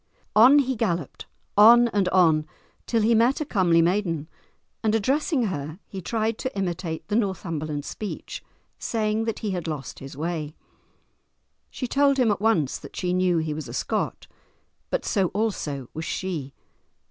On he galloped, on and on, till he met a comely maiden, and addressing her he tried to imitate the Northumberland speech, saying that he had lost his way. She told him at once that she knew he was a Scot, but so also was she.